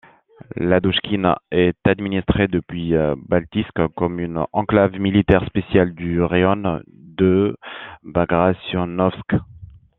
Ladouchkine est administrée depuis Baltiisk comme une enclave militaire spéciale du raïon de Bagrationovsk.